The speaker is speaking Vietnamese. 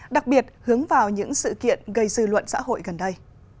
đặc biệt hướng vào những sự kiện gây dư luận xã hội gần đây